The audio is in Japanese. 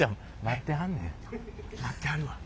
待ってはるわ。